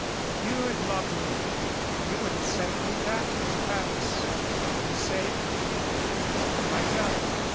"If you had loved me you would have sent me back to Paris saved me from from myself.